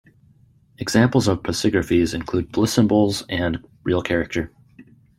Examples of pasigraphies include Blissymbols and Real Character.